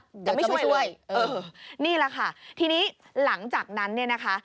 จะไม่ช่วยด้วยเออนี่แหละค่ะทีนี้หลังจากนั้นเนี่ยนะคะ